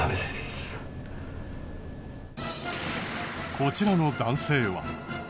こちらの男性は。